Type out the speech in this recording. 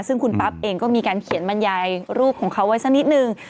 ซึ่งคุณปั๊บเองก็มีการเขียนบรรยายรูปของเขาไว้สักนิดนึง